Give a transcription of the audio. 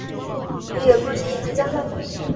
也有空袭以及战乱